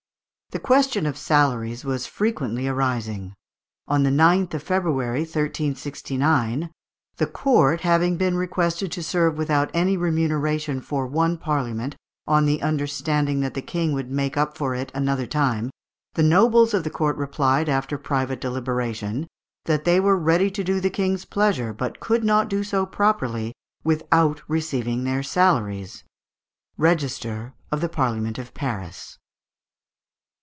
The question of salaries was frequently arising. On the 9th of February, 1369, "the court having been requested to serve without any remuneration for one Parliament, on the understanding that the King would make up for it another time, the nobles of the court replied, after private deliberation, that they were ready to do the King's pleasure, but could not do so properly without receiving their salaries" (Register of the Parliament of Paris).